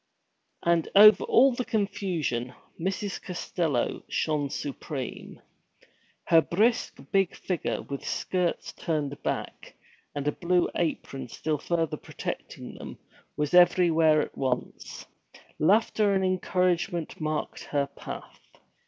And over all the confusion, Mrs. Costello shone supreme. Her brisk, big figure, with skirts turned back, and a blue apron still further protecting them, was everywhere at once; laughter and encouragement marked her path.